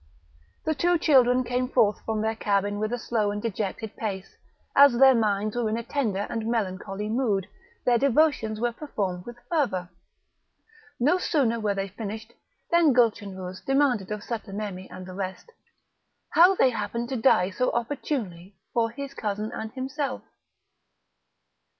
The two children came forth from their cabin with a slow and dejected pace; as their minds were in a tender and melancholy mood, their devotions were performed with fervour. No sooner were they finished, than Gulchenrouz demanded of Sutlememe and the rest, "how they happened to die so opportunely for his cousin and himself."